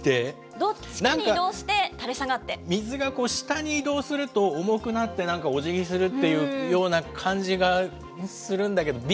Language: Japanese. どっちかに移動して、垂れ下水が下に移動すると、重くなって、おじぎするっていうような感じがするんだけど、Ｂ？